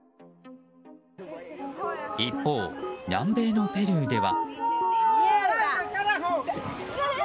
一方、南米のペルーでは。